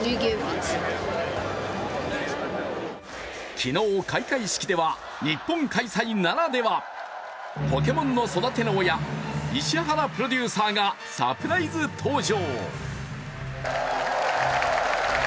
昨日、開会式では日本開催ならでは「ポケモン」の育ての親石原プロデューサーがサプライズ登場。